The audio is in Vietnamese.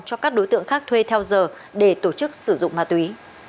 cho các đối tượng khác thuê theo giờ để tổ chức sử dụng ma túy